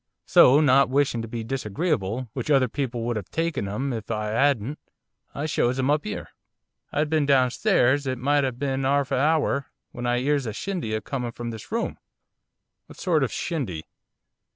So, not wishing to be disagreeable which other people would have taken 'em if I 'adn't, I shows 'em up 'ere. I'd been downstairs it might 'ave been 'arf a hour, when I 'ears a shindy a coming from this room ' 'What sort of a shindy?